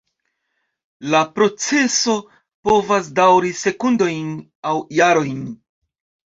La proceso povas daŭri sekundojn aŭ jarojn.